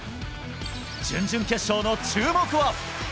準々決勝の注目は。